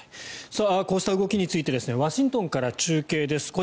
こうした動きについてワシントンから中継です。